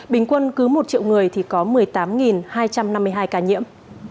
bình quân cứ một triệu người thì có một mươi tám hai trăm năm mươi hai ca nhiễm